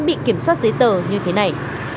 bị kiểm soát dưới tờ như thế này